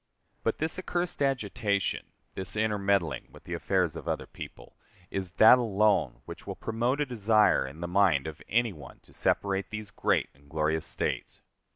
But this accursed agitation, this intermeddling with the affairs of other people, is that alone which will promote a desire in the mind of any one to separate these great and glorious States.